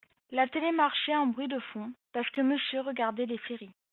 La télé marchait en bruit de fond, parce que monsieur regardait les séries